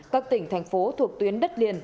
các tỉnh thành phố thuộc tuyến đất liền